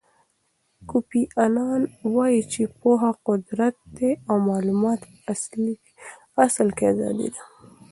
کوفی انان وایي چې پوهه قدرت دی او معلومات په اصل کې ازادي ده.